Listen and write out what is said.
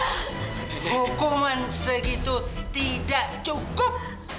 hukuman segitu tidak cukup